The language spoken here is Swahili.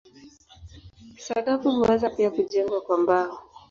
Sakafu huweza pia kujengwa kwa mbao.